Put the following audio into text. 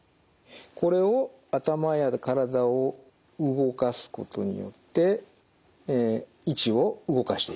これを頭や体を動かすことによって位置を動かしていきます。